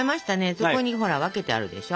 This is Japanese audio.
そこにほら分けてあるでしょ。